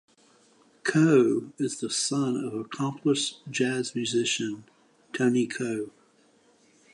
Coe is the son of accomplished jazz musician Tony Coe.